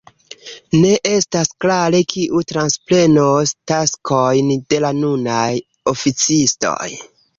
Ne estas klare kiu transprenos taskojn de la nunaj oficistoj.